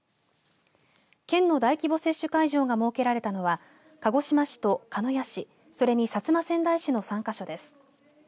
県の大規模接種会場が設けられたのは鹿児島市と鹿屋市それに薩摩川内市の３か所です。